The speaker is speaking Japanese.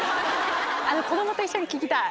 子供と一緒に聴きたい。